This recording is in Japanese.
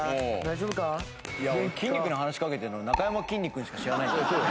筋肉に話しかけてるのなかやまきんに君しか知らないんですけど。